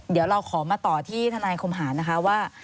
เดี๋ยวเราขอมาต่อที่ทนายคมหารนะคะว่า